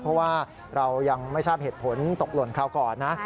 เพราะว่าเรายังไม่ทราบเหตุผลตกหล่นคราวก่อนนะ